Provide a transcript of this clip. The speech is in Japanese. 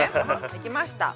できました。